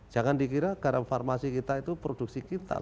jangan dikira garam farmasi kita itu produksi kita